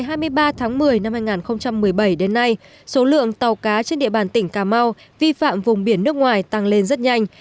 khai thác thủy sản xuất khẩu của việt nam từ ngày hai mươi ba tháng một mươi năm hai nghìn một mươi bảy đến nay số lượng tàu cá trên địa bàn tỉnh cà mau vi phạm vùng biển nước ngoài tăng lên rất nhanh